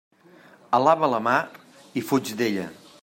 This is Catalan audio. Alaba la mar i fuig d'ella.